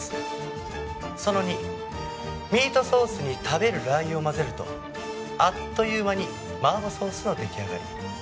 その２ミートソースに食べるラー油を混ぜるとあっという間に麻婆ソースの出来上がり。